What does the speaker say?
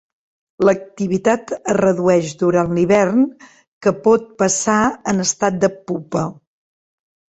L'activitat es redueix durant l'hivern, que pot passar en estat de pupa.